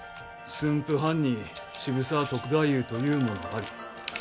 「駿府藩に渋沢篤太夫というものあり。